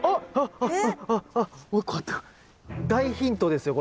大ヒントですよ